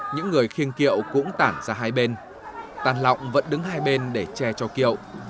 những người khiêng kiệu cũng tản ra hai bên tàn lọng vẫn đứng hai bên để che cho kiệu